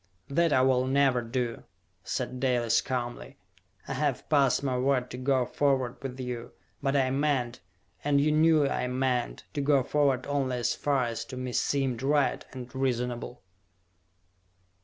"That I will never do!" said Dalis calmly. "I have passed my word to go forward with you; but I meant, and you knew I meant, to go forward only as far as to me seemed right and reasonable!"